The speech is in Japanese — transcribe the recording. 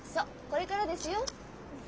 これからですよ。